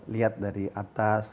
lihat dari atas